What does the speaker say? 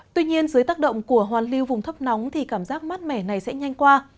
tuy nhiên dưới tác động của hoàn lưu vùng thấp nóng thì cảm giác mát mẻ này sẽ nhanh qua